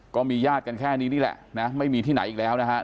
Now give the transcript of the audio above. ก็มีญาติกันแค่นี้นี่แหละนะไม่มีที่ไหนอีกแล้วนะครับ